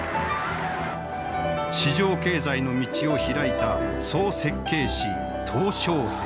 市場経済の道を開いた総設計師小平。